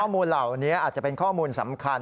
มูลเหล่านี้อาจจะเป็นข้อมูลสำคัญ